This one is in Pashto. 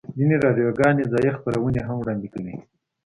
ځینې راډیوګانې ځایی خپرونې هم وړاندې کوي